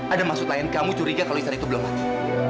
ada maksud lain kamu curiga kalau lisan itu belum lagi